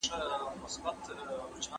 ¬ مسخره هغه ده، چي ولگېږي، يا و نه لگېږي.